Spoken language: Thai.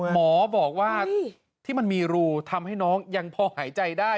หมอบอกว่าที่มันมีรูทำให้น้องยังพอหายใจได้